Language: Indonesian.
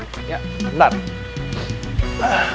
masih ada yang mau berbicara